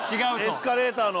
エスカレーターの。